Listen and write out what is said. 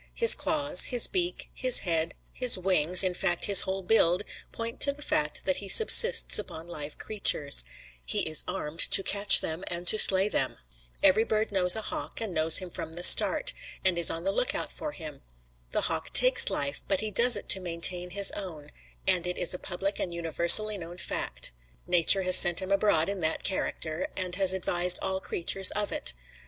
His claws, his beak, his head, his wings, in fact his whole build, point to the fact that he subsists upon live creatures; he is armed to catch them and to slay them. Every bird knows a hawk and knows him from the start, and is on the lookout for him. The hawk takes life, but he does it to maintain his own, and it is a public and universally known fact. Nature has sent him abroad in that character, and has advised all creatures of it.